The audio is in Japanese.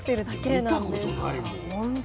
見たことないもん